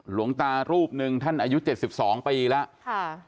หลวงตารูปหนึ่งท่านอายุเจ็ดสิบสองปีแล้วค่ะ